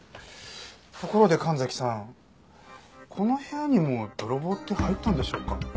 ところで神崎さんこの部屋にも泥棒って入ったんでしょうか？